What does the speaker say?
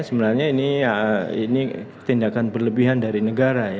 sebenarnya ini tindakan berlebihan dari negara ya